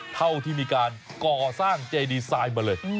เท่าที่มีการก่อสร้างเจดีไซน์มาเลย